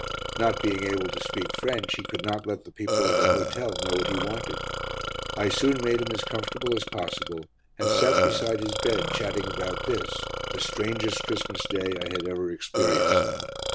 Not being able to speak French, he could not let the people of the hotel know what he wanted. I soon made him as comfortable as possible, and sat beside his bed chatting about this, the strangest Christmas Day I had ever experienced.